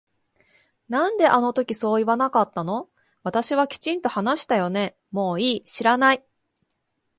なんであの時そう言わなかったの私はきちんと話したよねもういい知らない